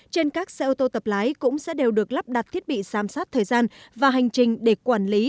trên các xe ô tô tập lái cũng sẽ đều được lắp đặt thiết bị giám sát thời gian và hành trình để quản lý